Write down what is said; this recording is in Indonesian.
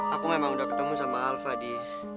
aku memang udah ketemu sama alfa di